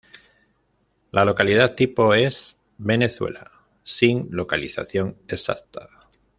La localidad tipo es: "Venezuela" sin localización exacta.